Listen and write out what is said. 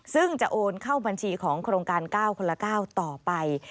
ซึ่งจะโอนเข้าบัญชีของโครงการ๙คนละ๙ต่อไป